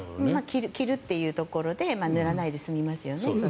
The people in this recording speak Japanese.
着るというところで塗らないで済みますよね。